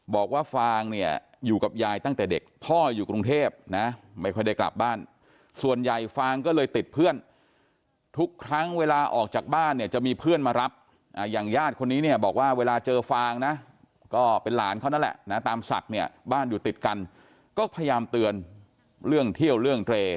ฟางเนี่ยอยู่กับยายตั้งแต่เด็กพ่ออยู่กรุงเทพนะไม่ค่อยได้กลับบ้านส่วนใหญ่ฟางก็เลยติดเพื่อนทุกครั้งเวลาออกจากบ้านเนี่ยจะมีเพื่อนมารับอย่างญาติคนนี้เนี่ยบอกว่าเวลาเจอฟางนะก็เป็นหลานเขานั่นแหละนะตามศักดิ์เนี่ยบ้านอยู่ติดกันก็พยายามเตือนเรื่องเที่ยวเรื่องเตร